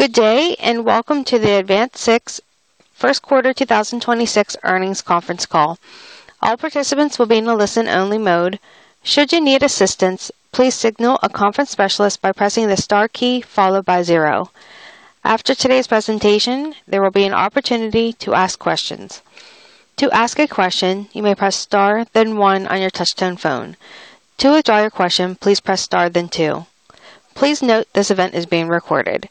Good day, welcome to the AdvanSix first quarter 2026 earnings conference call. All participants will be in a listen-only mode. Should you need assistance, please signal a conference specialist by pressing the star key followed by zero. After today's presentation, there will be an opportunity to ask questions. To ask a question, you may press star then one on your touchtone phone. To withdraw your question, please press star then two. Please note this event is being recorded.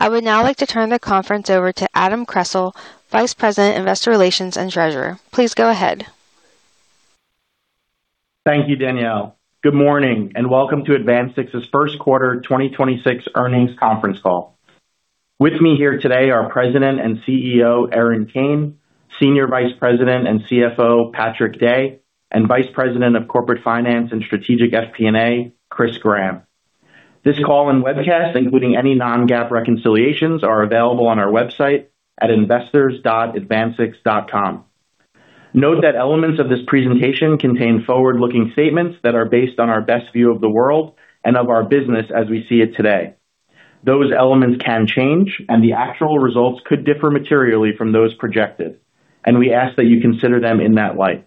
I would now like to turn the conference over to Adam Kressel, Vice President, Investor Relations and Treasurer. Please go ahead. Thank you, Danielle. Good morning, and welcome to AdvanSix's first quarter 2026 earnings conference call. With me here today are President and Chief Executive Officer, Erin Kane, Senior Vice President and CFO, Patrick Day, and Vice President of Corporate Finance and Strategic FP&A, Chris Gramm. This call and webcast, including any non-GAAP reconciliations, are available on our website at investors.advansix.com. Note that elements of this presentation contain forward-looking statements that are based on our best view of the world and of our business as we see it today. Those elements can change, the actual results could differ materially from those projected, and we ask that you consider them in that light.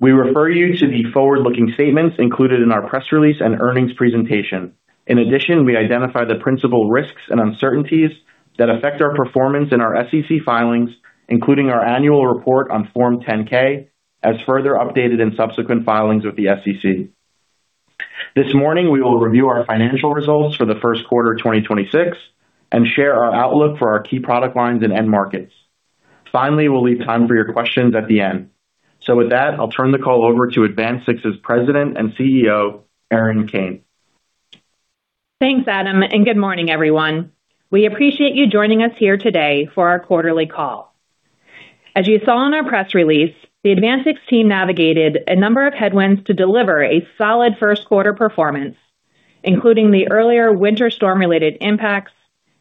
We refer you to the forward-looking statements included in our press release and earnings presentation. In addition, we identify the principal risks and uncertainties that affect our performance in our SEC filings, including our Annual Report on Form 10-K, as further updated in subsequent filings with the SEC. This morning, we will review our financial results for the first quarter 2026 and share our outlook for our key product lines and end markets. Finally, we'll leave time for your questions at the end. With that, I'll turn the call over to AdvanSix's President and Chief Executive Officer, Erin Kane. Thanks, Adam, good morning, everyone. We appreciate you joining us here today for our quarterly call. As you saw in our press release, the AdvanSix team navigated a number of headwinds to deliver a solid first quarter performance, including the earlier winter storm-related impacts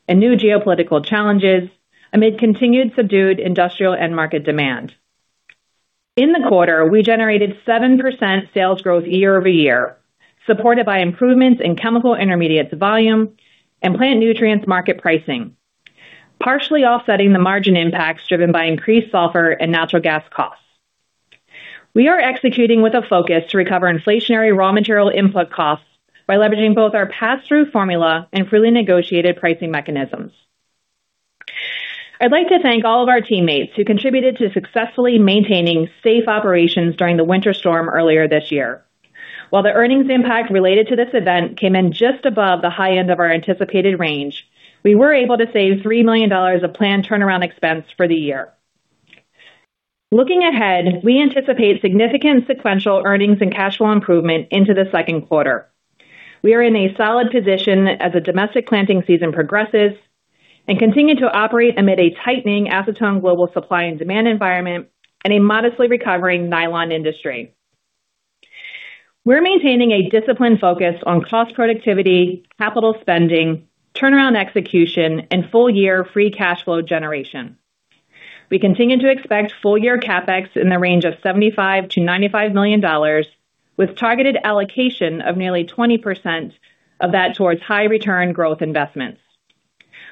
and new geopolitical challenges amid continued subdued industrial end market demand. In the quarter, we generated 7% sales growth year-over-year, supported by improvements in chemical intermediates volume and plant nutrients market pricing, partially offsetting the margin impacts driven by increased sulfur and natural gas costs. We are executing with a focus to recover inflationary raw material input costs by leveraging both our pass-through formula and freely negotiated pricing mechanisms. I'd like to thank all of our teammates who contributed to successfully maintaining safe operations during the winter storm earlier this year. While the earnings impact related to this event came in just above the high end of our anticipated range, we were able to save $3 million of planned turnaround expense for the year. Looking ahead, we anticipate significant sequential earnings and cash flow improvement into the second quarter. We are in a solid position as the domestic planting season progresses and continue to operate amid a tightening acetone global supply and demand environment and a modestly recovering nylon industry. We're maintaining a disciplined focus on cost productivity, capital spending, turnaround execution, and full-year free cash flow generation. We continue to expect full-year CapEx in the range of $75 million-$95 million with targeted allocation of nearly 20% of that towards high return growth investments.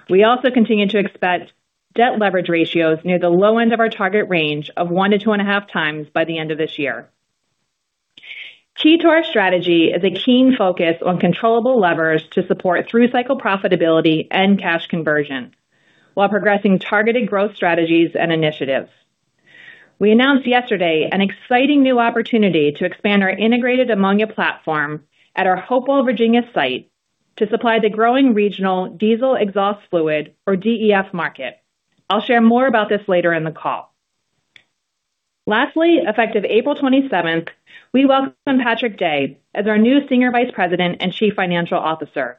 We also continue to expect debt leverage ratios near the low end of our target range of 1x to 2.5x by the end of this year. Key to our strategy is a keen focus on controllable levers to support through cycle profitability and cash conversion while progressing targeted growth strategies and initiatives. We announced yesterday an exciting new opportunity to expand our integrated ammonia platform at our Hopewell, Virginia site to supply the growing regional diesel exhaust fluid or DEF market. I'll share more about this later in the call. Lastly, effective April 27th, we welcome Patrick Day as our new Senior Vice President and Chief Financial Officer.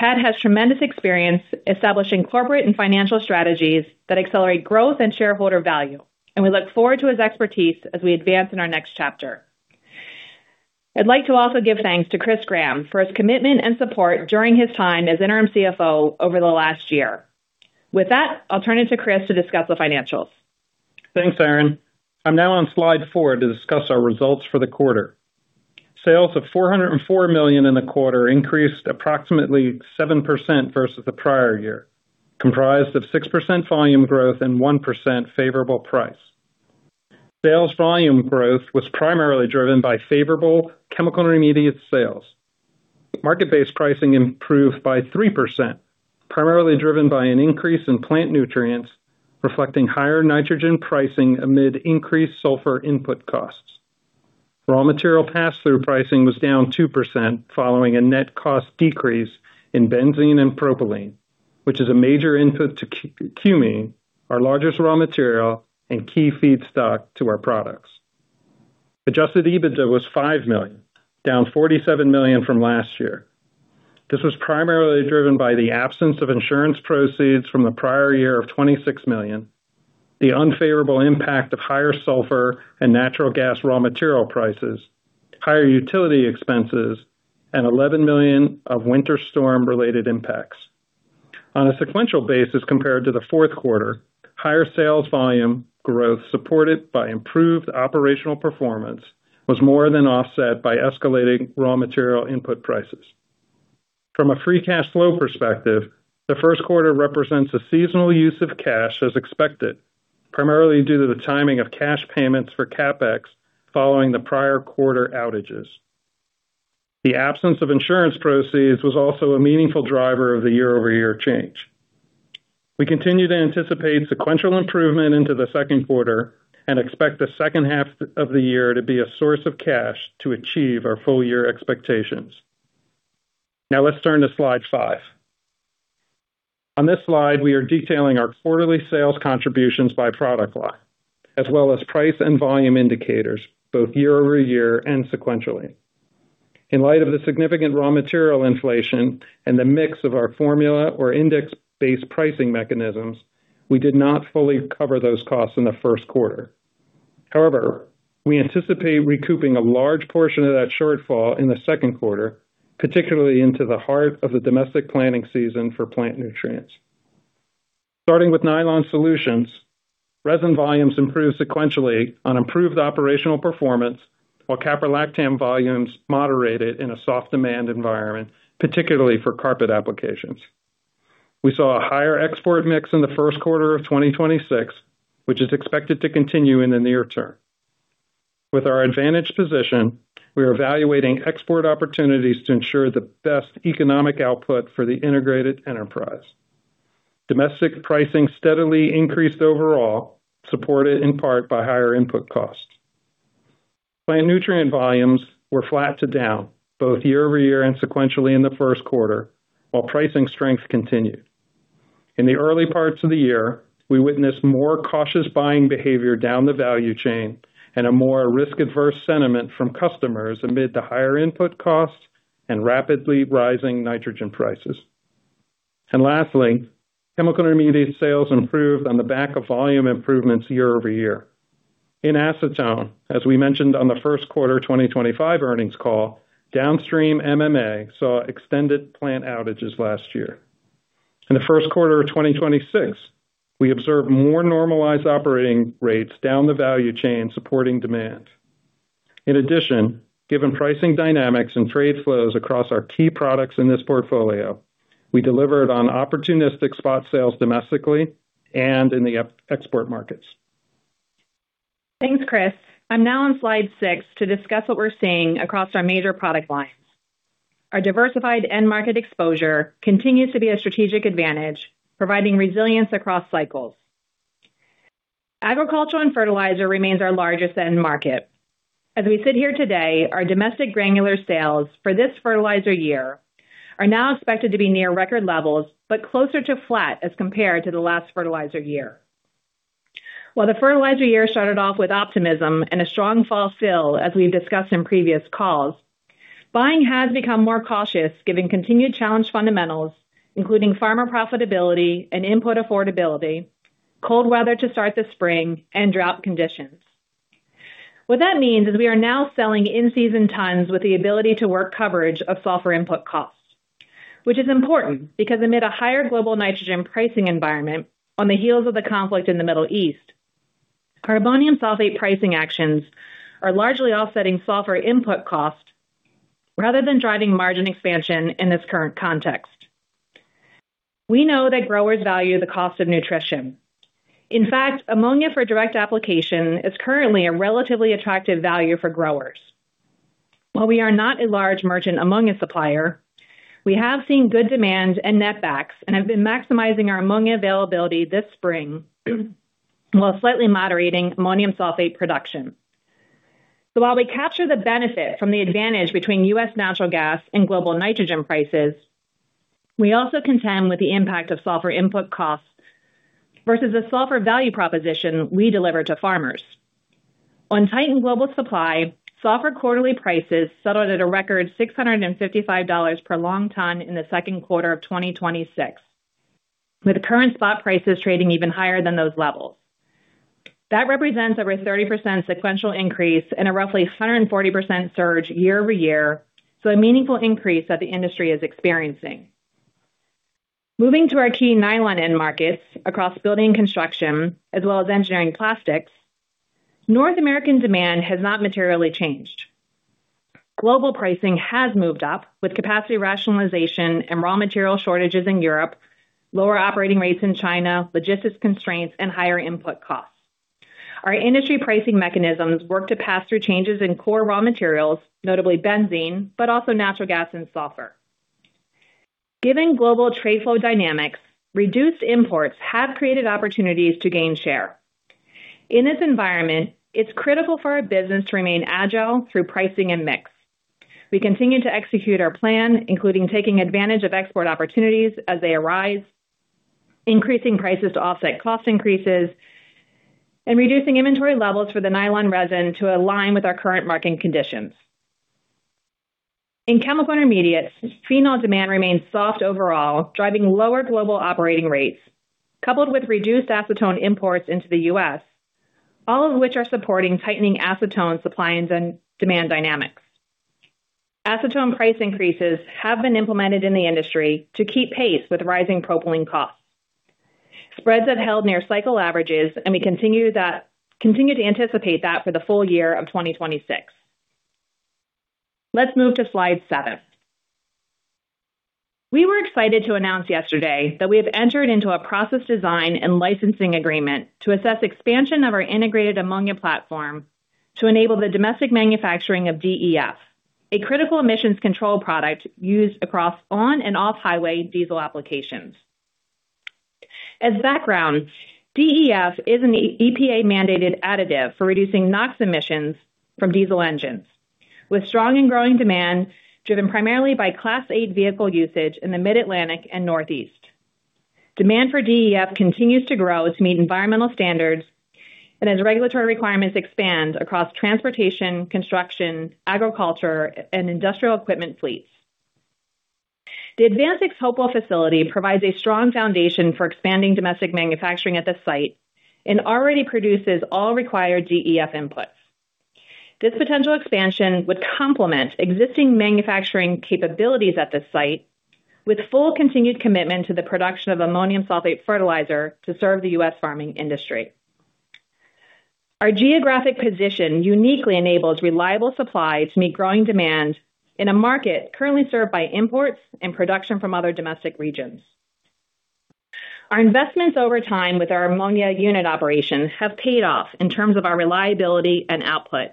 Pat has tremendous experience establishing corporate and financial strategies that accelerate growth and shareholder value. We look forward to his expertise as we advance in our next chapter. I'd like to also give thanks to Chris Gramm for his commitment and support during his time as Interim CFO over the last year. With that, I'll turn it to Chris to discuss the financials. Thanks, Erin. I'm now on Slide 4 to discuss our results for the quarter. Sales of $404 million in the quarter increased approximately 7% versus the prior year, comprised of 6% volume growth and 1% favorable price. Sales volume growth was primarily driven by favorable chemical intermediate sales. Market-based pricing improved by 3%, primarily driven by an increase in plant nutrients, reflecting higher nitrogen pricing amid increased sulfur input costs. Raw material pass-through pricing was down 2% following a net cost decrease in benzene and propylene, which is a major input to cumene, our largest raw material and key feedstock to our products. Adjusted EBITDA was $5 million, down $47 million from last year. This was primarily driven by the absence of insurance proceeds from the prior year of $26 million, the unfavorable impact of higher sulfur and natural gas raw material prices, higher utility expenses, and $11 million of winter storm-related impacts. On a sequential basis compared to the fourth quarter, higher sales volume growth supported by improved operational performance was more than offset by escalating raw material input prices. From a free cash flow perspective, the first quarter represents a seasonal use of cash as expected, primarily due to the timing of cash payments for CapEx following the prior quarter outages. The absence of insurance proceeds was also a meaningful driver of the year-over-year change. We continue to anticipate sequential improvement into the second quarter and expect the second half of the year to be a source of cash to achieve our full year expectations. Let's turn to Slide five. On this slide, we are detailing our quarterly sales contributions by product line, as well as price and volume indicators, both year-over-year and sequentially. In light of the significant raw material inflation and the mix of our formula or index-based pricing mechanisms, we did not fully cover those costs in the first quarter. However, we anticipate recouping a large portion of that shortfall in the second quarter, particularly into the heart of the domestic planting season for plant nutrients. Starting with Nylon solutions, resin volumes improved sequentially on improved operational performance, while caprolactam volumes moderated in a soft demand environment, particularly for carpet applications. We saw a higher export mix in the first quarter of 2026, which is expected to continue in the near term. With our advantage position, we are evaluating export opportunities to ensure the best economic output for the integrated enterprise. Domestic pricing steadily increased overall, supported in part by higher input costs. Plant nutrient volumes were flat to down both year-over-year and sequentially in the first quarter, while pricing strength continued. In the early parts of the year, we witnessed more cautious buying behavior down the value chain and a more risk-averse sentiment from customers amid the higher input costs and rapidly rising nitrogen prices. Lastly, chemical intermediate sales improved on the back of volume improvements year-over-year. In acetone, as we mentioned on the first quarter 2025 earnings call, downstream MMA saw extended plant outages last year. In the first quarter of 2026, we observed more normalized operating rates down the value chain supporting demand. In addition, given pricing dynamics and trade flows across our key products in this portfolio, we delivered on opportunistic spot sales domestically and in the export markets. Thanks, Chris. I'm now on Slide six to discuss what we're seeing across our major product lines. Our diversified end market exposure continues to be a strategic advantage, providing resilience across cycles. Agricultural and fertilizer remains our largest end market. As we sit here today, our domestic granular sales for this fertilizer year are now expected to be near record levels, but closer to flat as compared to the last fertilizer year. While the fertilizer year started off with optimism and a strong fall fill, as we've discussed in previous calls, buying has become more cautious given continued challenged fundamentals, including farmer profitability and input affordability, cold weather to start the spring, and drought conditions. What that means is we are now selling in-season tons with the ability to work coverage of sulfur input costs, which is important because amid a higher global nitrogen pricing environment on the heels of the conflict in the Middle East, our ammonium sulfate pricing actions are largely offsetting sulfur input costs rather than driving margin expansion in this current context. We know that growers value the cost of nutrition. In fact, ammonia for direct application is currently a relatively attractive value for growers. While we are not a large merchant ammonia supplier, we have seen good demand and netbacks and have been maximizing our ammonia availability this spring, while slightly moderating ammonium sulfate production. While we capture the benefit from the advantage between U.S. natural gas and global nitrogen prices, we also contend with the impact of sulfur input costs versus the sulfur value proposition we deliver to farmers. On tightened global supply, sulfur quarterly prices settled at a record $655 per long ton in the 2Q 2026, with the current spot prices trading even higher than those levels. That represents over 30% sequential increase and a roughly 140% surge year-over-year, so a meaningful increase that the industry is experiencing. Moving to our key nylon end markets across building and construction as well as engineering plastics, North American demand has not materially changed. Global pricing has moved up with capacity rationalization and raw material shortages in Europe, lower operating rates in China, logistics constraints, and higher input costs. Our industry pricing mechanisms work to pass through changes in core raw materials, notably benzene, but also natural gas and sulfur. Given global trade flow dynamics, reduced imports have created opportunities to gain share. In this environment, it is critical for our business to remain agile through pricing and mix. We continue to execute our plan, including taking advantage of export opportunities as they arise, increasing prices to offset cost increases, and reducing inventory levels for the nylon resin to align with our current market conditions. In chemical intermediates, phenol demand remains soft overall, driving lower global operating rates, coupled with reduced acetone imports into the U.S., all of which are supporting tightening acetone supply and demand dynamics. Acetone price increases have been implemented in the industry to keep pace with rising propylene costs. Spreads have held near cycle averages, and we continue that continue to anticipate that for the full-year of 2026. Let's move to Slide seven. We were excited to announce yesterday that we have entered into a process design and licensing agreement to assess expansion of our integrated ammonia platform to enable the domestic manufacturing of DEF, a critical emissions control product used across on and off-highway diesel applications. As background, DEF is an EPA mandated additive for reducing NOx emissions from diesel engines, with strong and growing demand driven primarily by Class 8 vehicle usage in the Mid-Atlantic and Northeast. Demand for DEF continues to grow to meet environmental standards and as regulatory requirements expand across transportation, construction, agriculture, and industrial equipment fleets. The AdvanSix Hopewell facility provides a strong foundation for expanding domestic manufacturing at this site and already produces all required DEF inputs. This potential expansion would complement existing manufacturing capabilities at the site with full continued commitment to the production of ammonium sulfate fertilizer to serve the U.S. farming industry. Our geographic position uniquely enables reliable supply to meet growing demand in a market currently served by imports and production from other domestic regions. Our investments over time with our ammonia unit operations have paid off in terms of our reliability and output.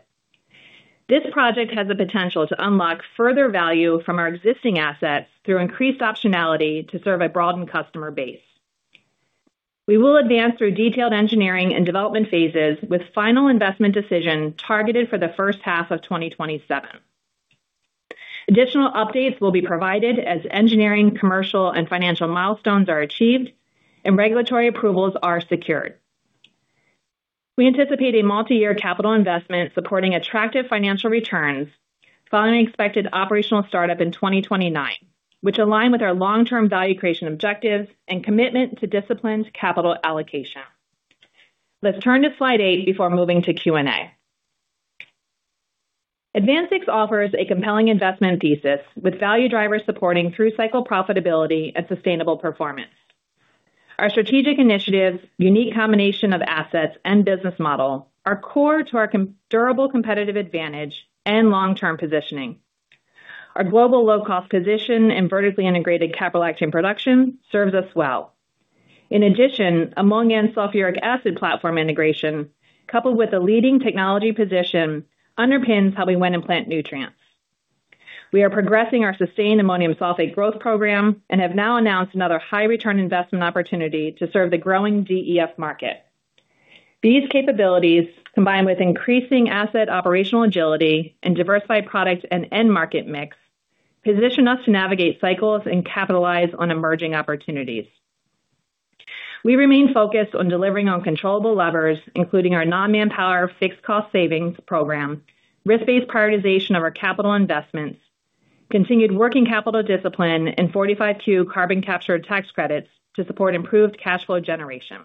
This project has the potential to unlock further value from our existing assets through increased optionality to serve a broadened customer base. We will advance through detailed engineering and development phases with final investment decision targeted for the first half of 2027. Additional updates will be provided as engineering, commercial, and financial milestones are achieved and regulatory approvals are secured. We anticipate a multiyear capital investment supporting attractive financial returns following expected operational startup in 2029, which align with our long-term value creation objectives and commitment to disciplined capital allocation. Let's turn to Slide eight before moving to Q&A. AdvanSix offers a compelling investment thesis with value drivers supporting through cycle profitability and sustainable performance. Our strategic initiatives, unique combination of assets and business model are core to our durable competitive advantage and long-term positioning. Our global low-cost position and vertically integrated caprolactam production serves us well. Ammonia and sulfuric acid platform integration, coupled with a leading technology position, underpins how we win in plant nutrients. We are progressing our SUSTAIN ammonium sulfate growth program and have now announced another high return investment opportunity to serve the growing DEF market. These capabilities, combined with increasing asset operational agility and diversified product and end market mix, position us to navigate cycles and capitalize on emerging opportunities. We remain focused on delivering on controllable levers, including our non-manpower fixed cost savings program, risk-based prioritization of our capital investments, continued working capital discipline, and 45Q carbon capture tax credits to support improved cash flow generation.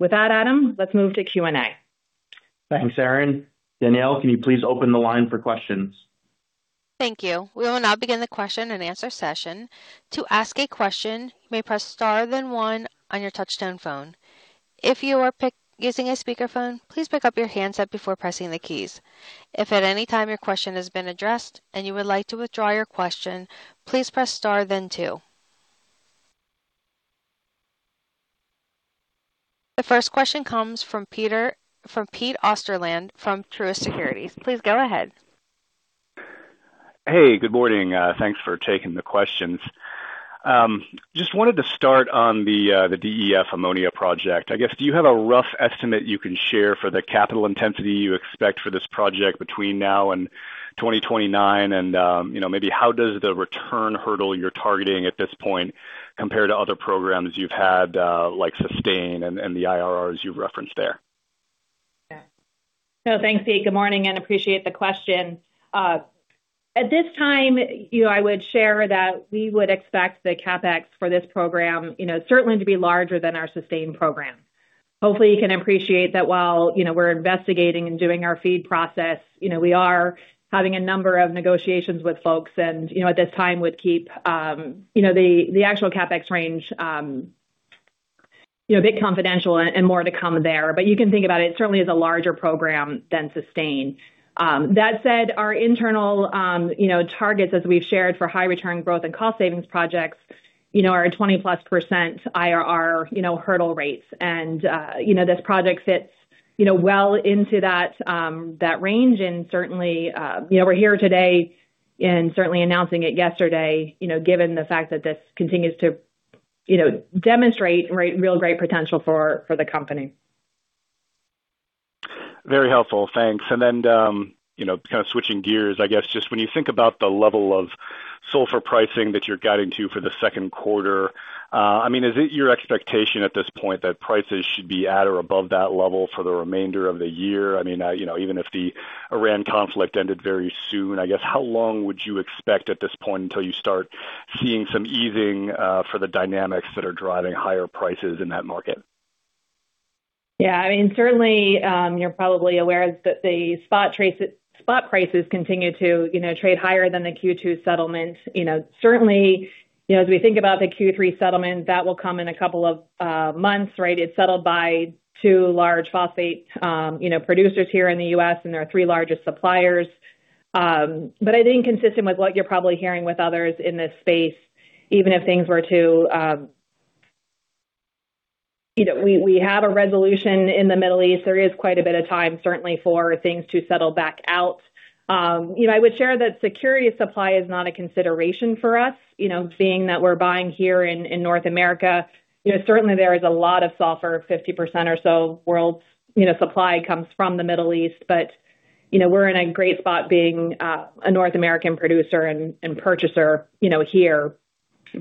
With that, Adam, let's move to Q&A. Thanks, Erin. Danielle, can you please open the line for questions? Thank you. We will now begin the question-and-answer session. To ask a question, you may press star then one on your touchtone phone. If you are using a speakerphone, please pick up your handset before pressing the keys. If at any time your question has been addressed and you would like to withdraw your question, please press star then two. The first question comes from Pete Osterland from Truist Securities. Please go ahead. Hey, good morning. Thanks for taking the questions. Just wanted to start on the DEF ammonia project. I guess, do you have a rough estimate you can share for the capital intensity you expect for this project between now and 2029? You know, maybe how does the return hurdle you're targeting at this point compare to other programs you've had, like SUSTAIN and the IRRs you've referenced there? Thanks, Pete. Good morning, appreciate the question. At this time, you know, I would share that we would expect the CapEx for this program, you know, certainly to be larger than our SUSTAIN program. Hopefully, you can appreciate that while, you know, we're investigating and doing our FEED process, you know, we are having a number of negotiations with folks and, you know, at this time would keep, you know, the actual CapEx range, you know, a bit confidential and more to come there. You can think about it certainly as a larger program than SUSTAIN. That said, our internal, you know, targets as we've shared for high return growth and cost savings projects, you know, are a 20%+ IRR, you know, hurdle rates. You know, this project fits, you know, well into that range. You know, we're here today and certainly announcing it yesterday, you know, given the fact that this continues to, you know, demonstrate real great potential for the company. Very helpful. Thanks. You know, kind of switching gears, I guess, just when you think about the level of sulfur pricing that you're guiding to for the second quarter, I mean, is it your expectation at this point that prices should be at or above that level for the remainder of the year? I mean, you know, even if the Iran conflict ended very soon, I guess how long would you expect at this point until you start seeing some easing, for the dynamics that are driving higher prices in that market? I mean, certainly, you're probably aware that spot prices continue to, you know, trade higher than the Q2 settlement. You know, certainly, as we think about the Q3 settlement, that will come in a couple of months, right? It's settled by two large phosphate, you know, producers here in the U.S., and they're our three largest suppliers. I think consistent with what you're probably hearing with others in this space, even if things were to, you know, we have a resolution in the Middle East, there is quite a bit of time, certainly for things to settle back out. You know, I would share that security of supply is not a consideration for us. You know, being that we're buying here in North America. You know, certainly there is a lot of sulfur, 50% or so world, you know, supply comes from the Middle East. You know, we're in a great spot being a North American producer and purchaser, you know, here. You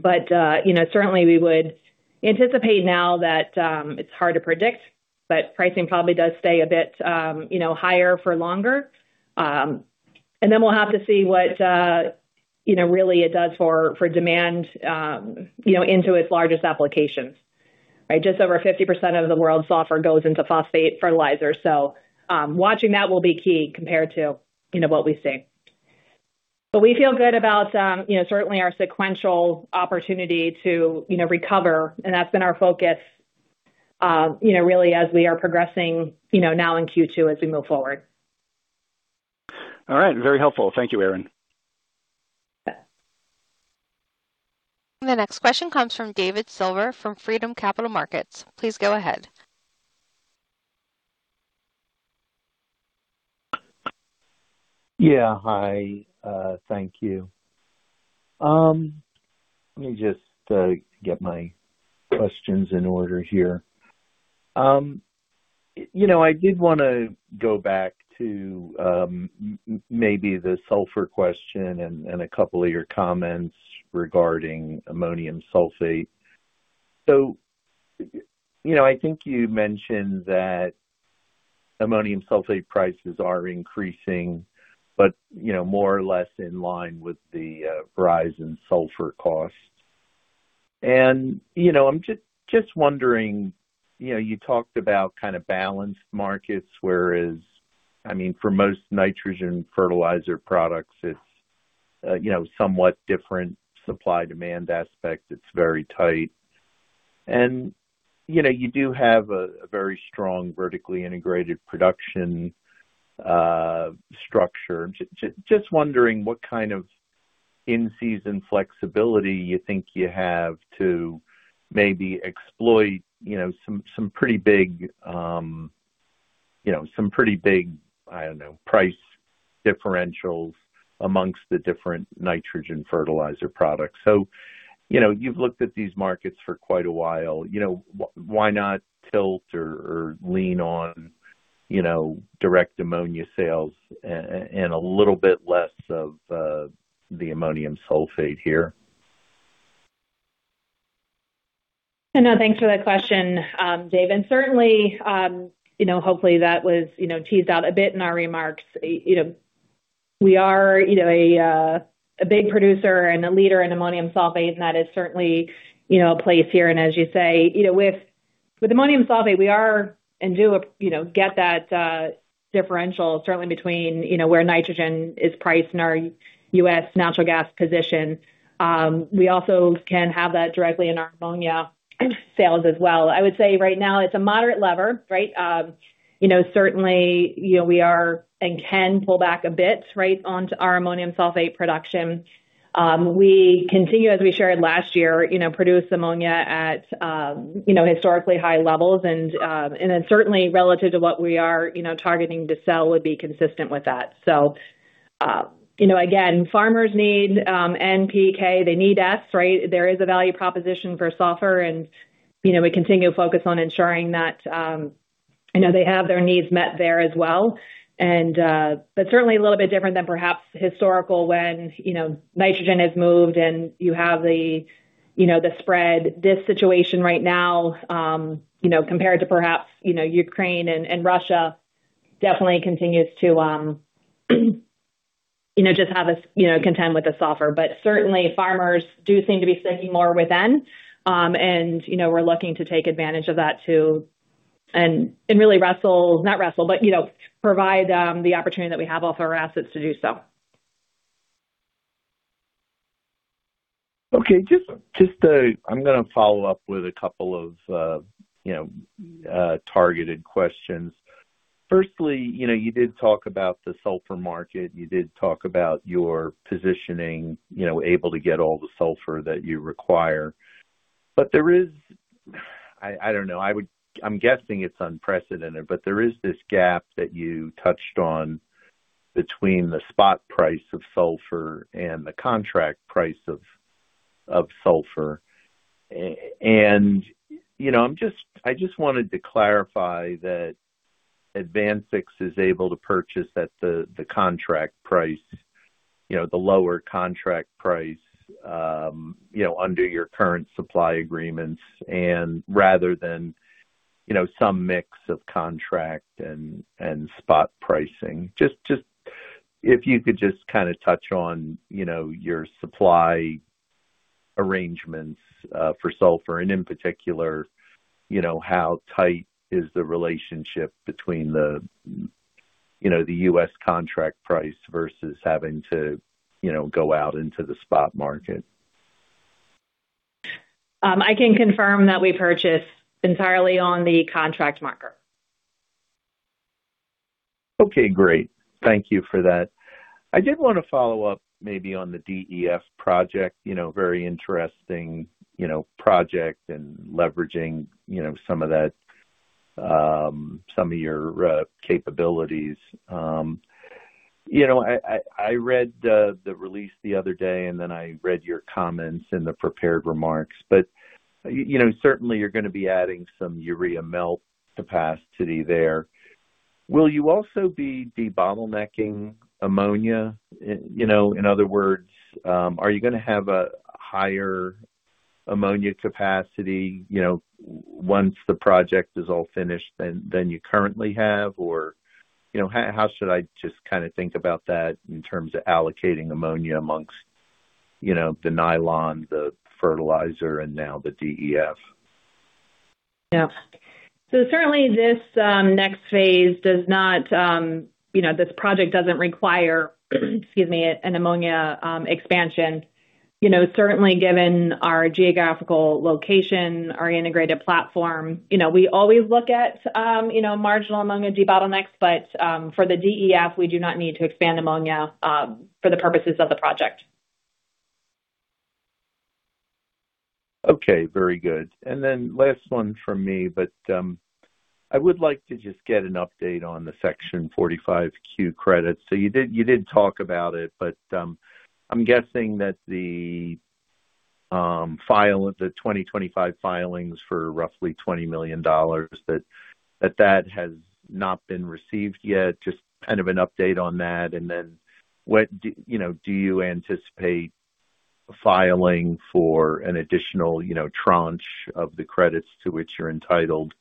know, certainly we would anticipate now that it's hard to predict, but pricing probably does stay a bit, you know, higher for longer. We'll have to see what, you know, really it does for demand, you know, into its largest applications, right? Just over 50% of the world's sulfur goes into phosphate fertilizer. Watching that will be key compared to, you know, what we see. We feel good about, you know, certainly our sequential opportunity to, you know, recover, and that's been our focus, you know, really as we are progressing, you know, now in Q2 as we move forward. All right. Very helpful. Thank you, Erin. Yeah. The next question comes from David Silver from Freedom Capital Markets. Please go ahead. Yeah, hi. Thank you. Let me just get my questions in order here. You know, I did want to go back to maybe the sulfur question and a couple of your comments regarding ammonium sulfate. You know, I think you mentioned that ammonium sulfate prices are increasing, but, you know, more or less in line with the rise in sulfur costs. You know, I'm just wondering, you know, you talked about kind of balanced markets, whereas, I mean, for most nitrogen fertilizer products, it's, you know, somewhat different supply-demand aspect. It's very tight. You know, you do have a very strong vertically integrated production structure. Just wondering what kind of in-season flexibility you think you have to maybe exploit, you know, some pretty big, you know, some pretty big, I don't know, price differentials amongst the different nitrogen fertilizer products? You know, you've looked at these markets for quite a while. You know, why not tilt or lean on, you know, direct ammonia sales and a little bit less of the ammonium sulfate here? No, thanks for that question, Dave. Certainly, you know, hopefully that was, you know, teased out a bit in our remarks. You know, we are, you know, a big producer and a leader in ammonium sulfate, and that is certainly, you know, a place here. As you say, you know, with ammonium sulfate, we are and do, you know, get that differential certainly between, you know, where nitrogen is priced in our U.S. natural gas position. We also can have that directly in our ammonia sales as well. I would say right now it's a moderate lever, right? You know, certainly, you know, we are and can pull back a bit right onto our ammonium sulfate production. We continue, as we shared last year, you know, produce ammonia at, you know, historically high levels and then certainly relative to what we are, you know, targeting to sell would be consistent with that. You know, again, farmers need NPK, they need S, right? There is a value proposition for sulfur and, you know, we continue to focus on ensuring that, you know, they have their needs met there as well. Certainly a little bit different than perhaps historical when, you know, nitrogen has moved and you have the, you know, the spread. This situation right now, you know, compared to perhaps, you know, Ukraine and Russia definitely continues to, you know, just have us, you know, contend with the sulfur. Certainly farmers do seem to be sticking more with N, and you know, we're looking to take advantage of that to and really, you know, provide the opportunity that we have off our assets to do so. Okay. Just to, I'm gonna follow-up with a couple of, you know, targeted questions. Firstly, you know, you did talk about the sulfur market, you did talk about your positioning, you know, able to get all the sulfur that you require. There is, I don't know, I'm guessing it's unprecedented, but there is this gap that you touched on between the spot price of sulfur and the contract price of sulfur. You know, I just wanted to clarify that AdvanSix is able to purchase at the contract price, you know, the lower contract price, you know, under your current supply agreements and rather than, you know, some mix of contract and spot pricing. Just if you could just kinda touch on, you know, your supply arrangements for sulfur, and in particular, you know, how tight is the relationship between the, you know, the U.S. contract price versus having to, you know, go out into the spot market? I can confirm that we purchase entirely on the contract market. Okay, great. Thank you for that. I did want to follow up maybe on the DEF project, you know, very interesting, you know, project and leveraging, you know, some of that, some of your capabilities. You know, I read the release the other day, then I read your comments in the prepared remarks. You know, certainly you're going to be adding some urea melt capacity there. Will you also be debottlenecking ammonia? You know, in other words, are you going to have a higher ammonia capacity, you know, once the project is all finished than you currently have? You know, how should I just kind of think about that in terms of allocating ammonia amongst, you know, the nylon, the fertilizer, and now the DEF? Certainly this next phase does not, you know, this project doesn't require, excuse me, an ammonia expansion. You know, certainly given our geographical location, our integrated platform, you know, we always look at marginal ammonia de-bottlenecks. For the DEF, we do not need to expand ammonia for the purposes of the project. Okay, very good. Last one from me, I would like to just get an update on the Section 45Q credits. You did talk about it, I'm guessing that the file of the 2025 filings for roughly $20 million that has not been received yet. Just kind of an update on that, what do, you know, do you anticipate filing for an additional, you know, tranche of the credits to which you're entitled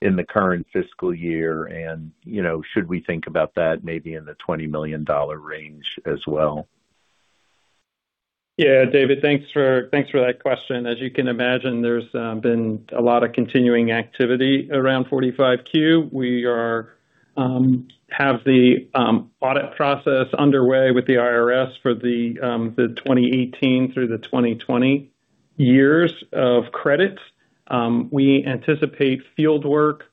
in the current fiscal year? You know, should we think about that maybe in the $20 million range as well? Yeah. David, thanks for, thanks for that question. As you can imagine, there's been a lot of continuing activity around 45Q. We are have the audit process underway with the IRS for the 2018 through the 2020 years of credits. We anticipate field work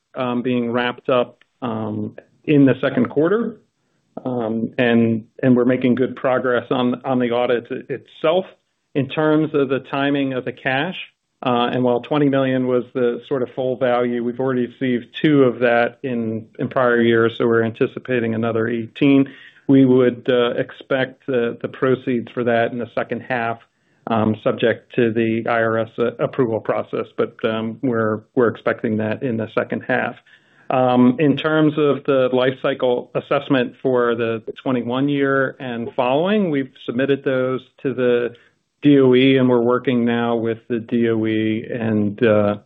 being wrapped up in the second quarter. We're making good progress on the audit itself. In terms of the timing of the cash, while $20 million was the sort of full value, we've already received two of that in prior years, we're anticipating another 18. We would expect the proceeds for that in the second half, subject to the IRS approval process. We're expecting that in the second half. In terms of the life cycle assessment for the 2021 year and following, we've submitted those to the DOE, and we're working now with the DOE and the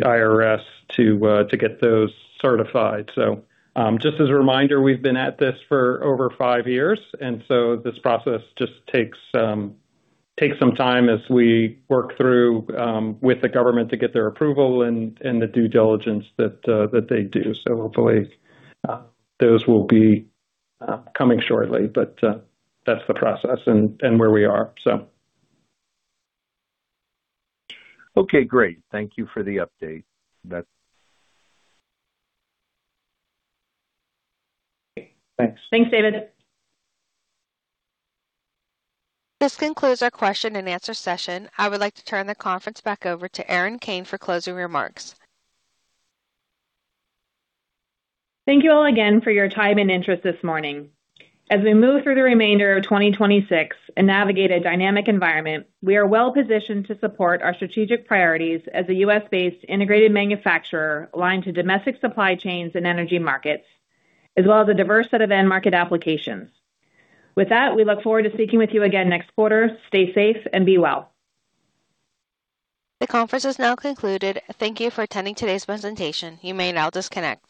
IRS to get those certified. Just as a reminder, we've been at this for over five years, this process just takes some time as we work through with the government to get their approval and the due diligence that they do. Hopefully, those will be coming shortly. That's the process and where we are so Okay, great. Thank you for the update. Thanks. Thanks, David. This concludes our question-and-answer session. I would like to turn the conference back over to Erin Kane for closing remarks. Thank you all again for your time and interest this morning. As we move through the remainder of 2026 and navigate a dynamic environment, we are well-positioned to support our strategic priorities as a U.S.-based integrated manufacturer aligned to domestic supply chains and energy markets, as well as a diverse set of end market applications. With that, we look forward to speaking with you again next quarter. Stay safe and be well. The conference is now concluded. Thank you for attending today's presentation. You may now disconnect.